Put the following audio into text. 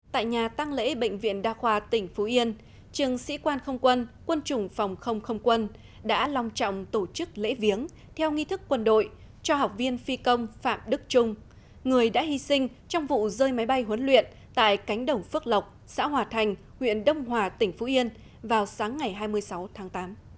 tại nhà tăng lễ bệnh viện đa khoa tỉnh phú yên trường sĩ quan không quân quân chủng phòng không không quân đã long trọng tổ chức lễ viếng theo nghi thức quân đội cho học viên phi công phạm đức trung người đã hy sinh trong vụ rơi máy bay huấn luyện tại cánh đồng phước lộc xã hòa thành huyện đông hòa tỉnh phú yên vào sáng ngày hai mươi sáu tháng tám